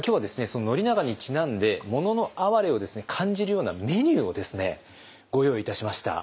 その宣長にちなんで「もののあはれ」を感じるようなメニューをですねご用意いたしました。